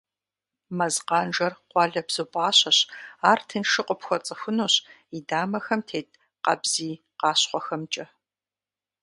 Мэз къанжэр къуалэбзу пӏащэщ, ар тыншу къыпхуэцӏыхунущ и дамэхэм тет къабзий къащхъуэхэмкӏэ.